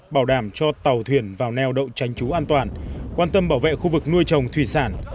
bảo đảm cho tàu thuyền vào neo đậu tránh trú an toàn quan tâm bảo vệ khu vực nuôi trồng thủy sản